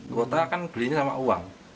kota kan belinya sama uang